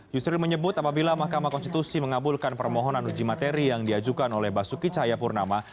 yusril menyebut apabila mahkamah konstitusi mengabulkan permohonan uji materi yang diajukan oleh basuki cahayapurnama